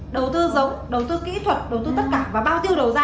đầu tư giống đầu tư kỹ thuật đầu tư tất cả và bao tiêu đầu ra